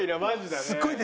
すごいな。